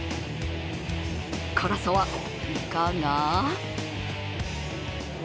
辛さはいかが？